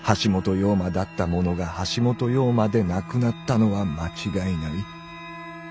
陽馬だったもの」が「橋本陽馬」でなくなったのは間違いない。